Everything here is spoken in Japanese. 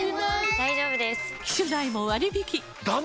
大丈夫です！